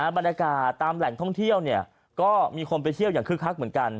บรรยากาศตามแหล่งท่องเที่ยวก็มีคนไปเที่ยวอย่างคึกคักเหมือนกัน